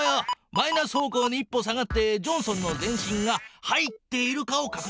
マイナス方向に１歩下がってジョンソンの全身が入っているかをかくにんしろ。